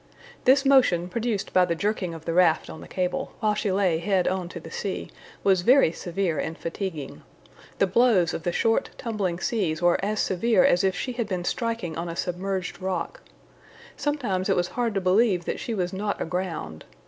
This motion, produced by the jerking of the raft on the cable, while she lay head on to the sea, was very severe and fatiguing. The blows of the short, tumbling seas were as severe as if she had been striking on a submerged rock. Sometimes it was hard to believe that she was not aground.